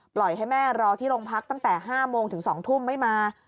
ปล่อยให้แม่รอที่โรงพักตั้งแต่๕โมงถึง๒ทุ่มไม่มา